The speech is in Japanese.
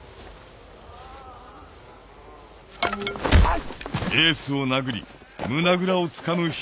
あっ！